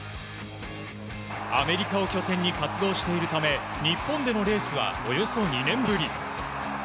アメリカを拠点に活動しているため日本でのレースはおよそ２年ぶり。